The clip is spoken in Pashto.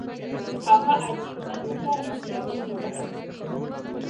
هغه عادي خلکو ته روحیه ورکوله.